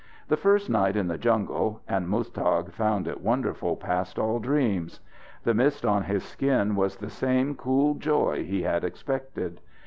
The first night in the jungle and Muztagh found it wonderful past all dreams. The mist on his skin was the same cool joy he had expected.